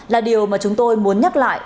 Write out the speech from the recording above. là điều mà chúng tôi muốn nhắc lại